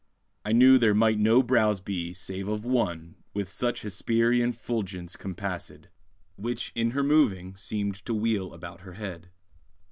I knew there might no brows be, save of one, With such Hesperian fulgence compassèd, Which in her moving seemed to wheel about her head.